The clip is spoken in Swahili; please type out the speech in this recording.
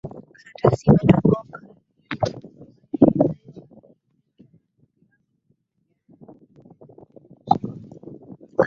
Karatasi imetoboka.